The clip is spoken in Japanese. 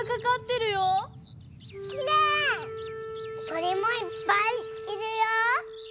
とりもいっぱいいるよ！